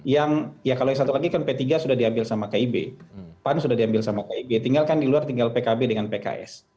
yang ya kalau yang satu lagi kan p tiga sudah diambil sama kib pan sudah diambil sama kib tinggalkan di luar tinggal pkb dengan pks